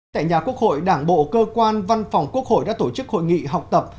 tại nhà quốc hội đảng bộ cơ quan văn phòng quốc hội đã tổ chức hội nghị học tập